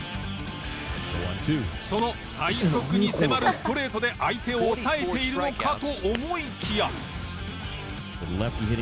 その最速に迫るストレートで相手を抑えているのかと思いきや。